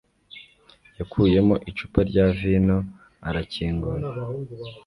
yakuyemo icupa rya vino arakingura.